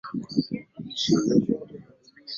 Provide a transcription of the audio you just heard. hofu ya kifo haikuwanyima watu busara na heshima